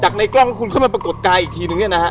ในกล้องที่คุณเข้ามาปรากฏกายอีกทีนึงเนี่ยนะฮะ